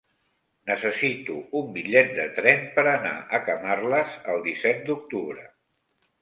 Necessito un bitllet de tren per anar a Camarles el disset d'octubre.